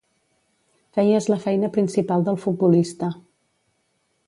Feies la feina principal del futbolista.